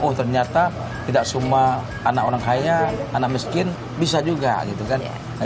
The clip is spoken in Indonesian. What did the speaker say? oh ternyata tidak semua anak orang kaya anak miskin bisa juga gitu kan